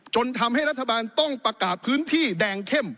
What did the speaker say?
จนทำให้รัฐบาลต้องประกาศพื้นที่แดงเข้ม